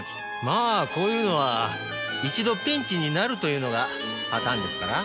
まあこういうのは一度ピンチになるというのがパターンですから。